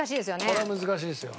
これは難しいですよ。